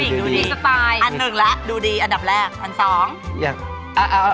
ผู้หญิงดูดีสไตล์อันหนึ่งแล้วดูดีอันดับแรกอันสอง